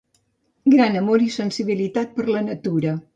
Gran amor i sensibilitat per la natura.